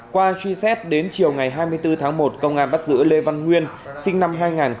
qua truy xét đến chiều ngày hai mươi bốn tháng một công an bắt giữ lê văn nguyên sinh năm hai nghìn